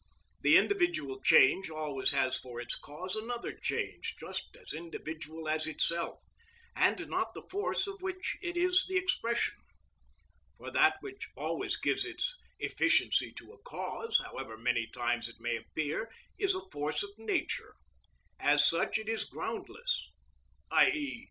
The individual change always has for its cause another change just as individual as itself, and not the force of which it is the expression. For that which always gives its efficiency to a cause, however many times it may appear, is a force of nature. As such, it is groundless, _i.e.